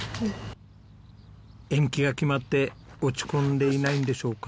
延期が決まって落ち込んでいないんでしょうか？